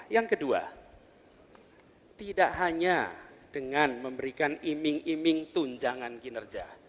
yang kedua tidak hanya dengan memberikan iming iming tunjangan kinerja